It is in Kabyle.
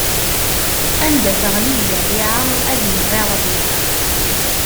Anda teɣli zzerriɛa, ad imɣi ṛṛbiɛ.